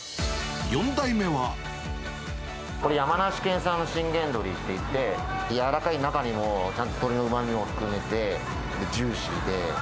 これ、山梨県産の信玄どりっていって、軟らかい中にも、ちゃんと鶏のうまみを含んでて、ジューシーで。